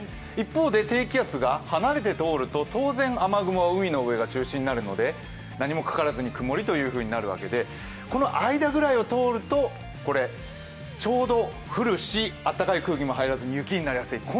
一方で、低気圧が離れて通ると当然雨雲は海の上が中心になるので何もかからずに曇りというふうになるわけで、この間ぐらいを通ると、ちょうど降るし、あったかい空気も入るし雪になりやすい。